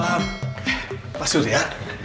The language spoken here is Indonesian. waalaikumsalam pak surya